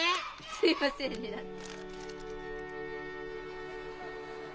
「すいませんね」だって。